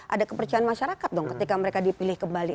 ada kepercayaan masyarakat dong ketika mereka dipilih kembali